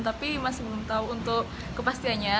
tapi masih belum tahu untuk kepastiannya